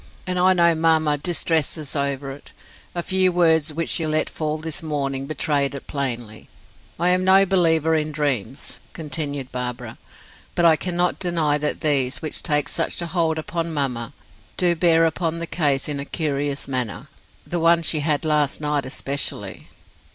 And I know mamma distresses over it. A few words which she let fall this morning, betrayed it plainly. I am no believer in dreams," continued Barbara, "but I cannot deny that these, which take such a hold upon mamma, do bear upon the case in a curious manner the one she had last night especially."